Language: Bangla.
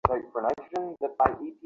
ভয় পাচ্ছ, ডেনি?